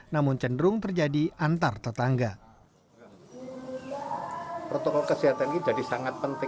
namun cenderung terjadi alam